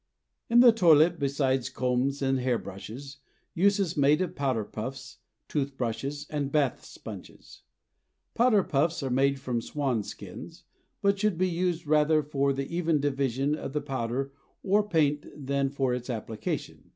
In the toilet, besides combs and hair brushes, use is made of powder puffs, tooth brushes, and bath sponges. Powder puffs are made from swan skins, but should be used rather for the even division of the powder or paint than for its application.